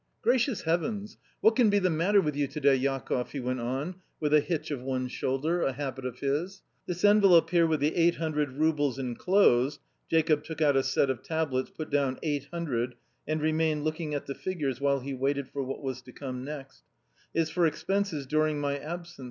"Gracious heavens! What can be the matter with you to day, Jakoff?" he went on with a hitch of one shoulder (a habit of his). "This envelope here with the 800 roubles enclosed," Jacob took out a set of tablets, put down "800" and remained looking at the figures while he waited for what was to come next "is for expenses during my absence.